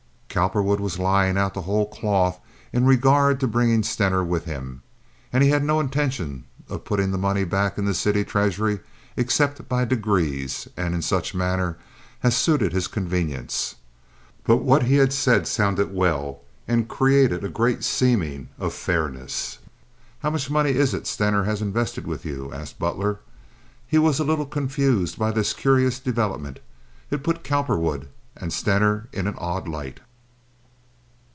Cowperwood was lying out of the whole cloth in regard to bringing Stener with him, and he had no intention of putting the money back in the city treasury except by degrees and in such manner as suited his convenience; but what he had said sounded well and created a great seeming of fairness. "How much money is it Stener has invested with you?" asked Butler. He was a little confused by this curious development. It put Cowperwood and Stener in an odd light.